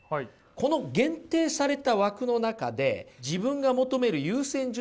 この限定された枠の中で自分が求める優先順位の割合をね